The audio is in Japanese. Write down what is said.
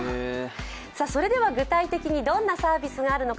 それでは具体的にどんなサービスがあるのか